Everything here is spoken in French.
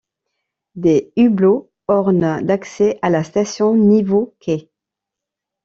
Des hublots ornent l’accès à la station niveau quai.